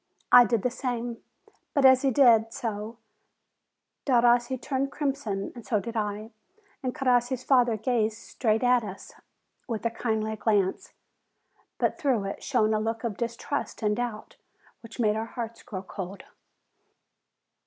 I did the same. But as he did so, Derossi turned crimson, and so did I; and Crossi's father gazed straight at us, with a kindly glance; but through it shone a look of distrust and doubt which made our hearts grow cold.